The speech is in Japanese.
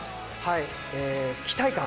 え期待感。